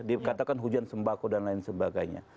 dikatakan hujan sembako dan lain sebagainya